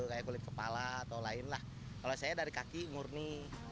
kayak kulit kepala atau lain lah kalau saya dari kaki murni